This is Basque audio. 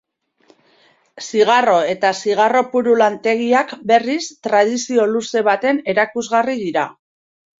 Zigarro eta zigarro-puru lantegiak, berriz, tradizio luze baten erakusgarri dira.